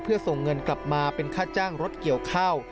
เพื่อส่งเงินกลับมาเป็นค่าจ้างรถเกี่ยวข้าว